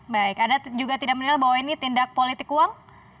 baik anda juga tidak menilai bahwa ini tindak politik uang